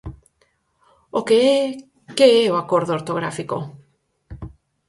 O que é que é o Acordo Ortográfico?